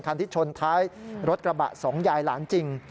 คันที่ชนท้ายรถกระบะสองยายหลานจริง